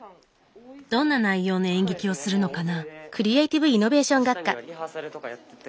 どんな内容の演劇をするのかな？